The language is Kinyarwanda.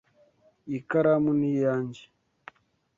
Iyi karamu ni iyanjye.